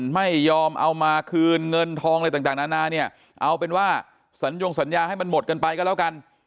ไม่ยอมเอามาคืนเงินทองอะไรต่างนานาเนี่ยเอาเป็นว่าสัญญงสัญญาให้มันหมดกันไปก็แล้วกัน